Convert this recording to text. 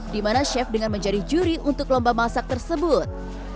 di mana chef dengan menjadi juri untuk lomba masak tersebut